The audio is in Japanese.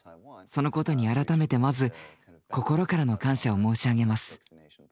そのことに改めてまず心からの感謝を申し上げます。